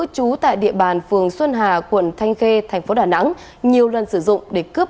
công an quận thanh khê đã bắt khẩn cấp